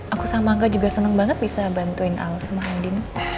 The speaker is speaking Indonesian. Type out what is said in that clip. aku sama nga juga seneng banget bisa bantuin al sama haldin